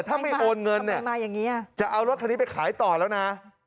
ถ้าไม่โอนเงินเนี่ยจะเอารถคันนี้ไปขายต่อแล้วนะ